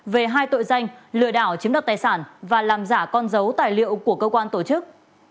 về hai tội danh lừa đảo chiếm đoạt tài sản và làm giả con dấu tài liệu của cơ quan tổ chức